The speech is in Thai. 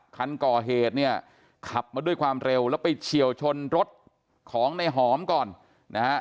คันก่อเหตุเนี่ยขับมาด้วยความเร็วแล้วไปเฉียวชนรถของในหอมก่อนนะฮะ